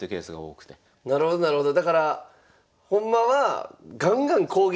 なるほどなるほど。